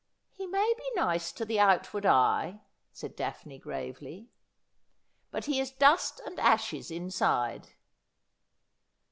' He may be nice to the outward eye,' said Daphne gravely, ' but he is dust and ashes inside.